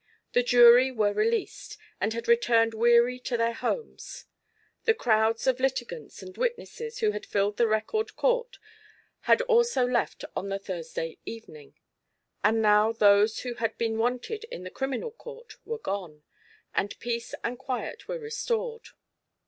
The jury were released, and had returned weary to their homes; the crowds of litigants and witnesses who had filled the Record Court had also left on the Thursday evening; and now those who had been wanted in the criminal court were gone, and peace and quiet were restored.